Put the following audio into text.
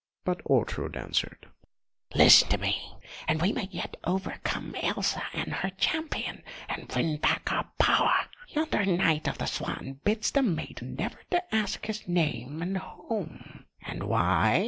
But Ortrud answered: "List to me, and we may yet overcome Elsa and her Champion, and win back our power! Yonder Knight of the Swan bids the maiden never to ask his name and home. And why?